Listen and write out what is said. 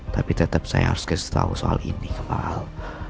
tapi tetep saya harus kasih tau soal ini ke pak al